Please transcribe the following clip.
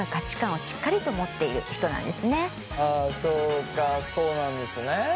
あそうかそうなんですね。